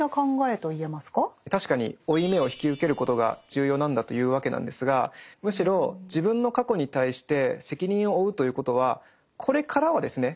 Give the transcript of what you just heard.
確かに負い目を引き受けることが重要なんだというわけなんですがむしろ自分の過去に対して責任を負うということはこれからはですね